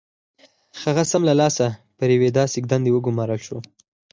هغه سم له لاسه پر یوې داسې دندې وګومارل شو